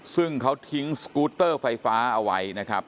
ซึ่งเขาทิ้งสกูตเตอร์ไฟฟ้าเอาไว้นะครับ